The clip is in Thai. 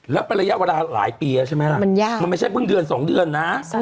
แล้วประยะวันหลายปีน่ะใช่ไหมล่ะมันไม่ใช่เพิ่งเดือน๒เดือนนะมันยาก